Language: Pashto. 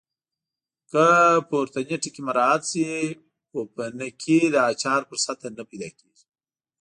که پورتني ټکي مراعات شي پوپنکې د اچار پر سطحه نه پیدا کېږي.